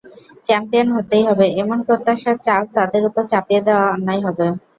Champion হতেই হবে, এমন প্রত্যাশার চাপ তাদের ওপর চাপিয়ে দেওয়া অন্যায় হবে।